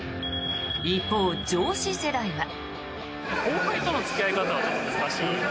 一方、上司世代は。